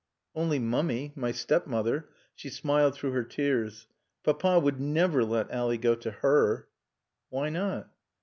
"Only Mummy my stepmother." She smiled through her tears. "Papa would never let Ally go to her." "Why not?"